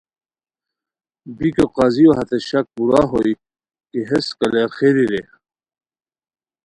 بیکو قاضیو ہتے شاک پورا ہوئے کی ہیس کالیر خیری رے